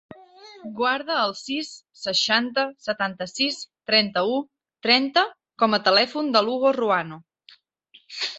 Guarda el sis, seixanta, setanta-sis, trenta-u, trenta com a telèfon de l'Hugo Ruano.